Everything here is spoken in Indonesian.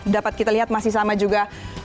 dapat kita lihat masih sama juga